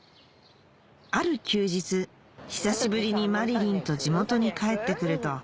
ある休日久しぶりにまりりんと地元に帰ってくると